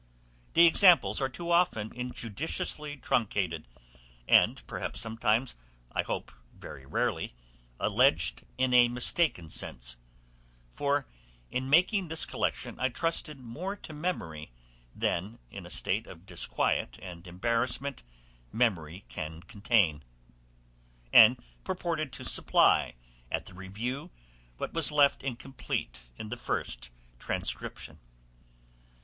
The examples are too often injudiciously truncated, and perhaps sometimes I hope very rarely alleged in a mistaken sense; for in making this collection I trusted more to memory, than, in a state of disquiet and embarrassment, memory can contain, and purposed to supply at the review what was left incomplete in the first transcription.